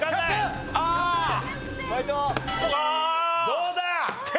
どうだ？